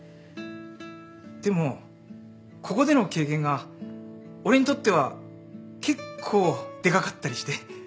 でもここでの経験が俺にとっては結構でかかったりして。